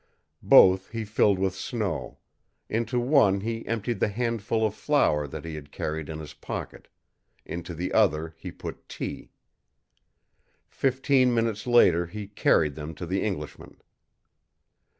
Both he filled with snow; into one he emptied the handful of flour that he had carried in his pocket into the other he put tea. Fifteen minutes later he carried them to the Englishman.